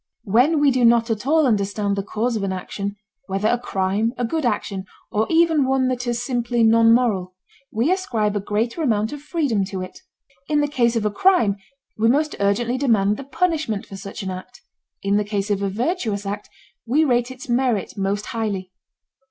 When we do not at all understand the cause of an action, whether a crime, a good action, or even one that is simply nonmoral, we ascribe a greater amount of freedom to it. In the case of a crime we most urgently demand the punishment for such an act; in the case of a virtuous act we rate its merit most highly.